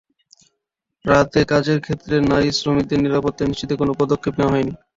রাতে কাজের ক্ষেত্রে নারী শ্রমিকদের নিরাপত্তা নিশ্চিতে কোনো পদক্ষেপ নেওয়া হয়নি।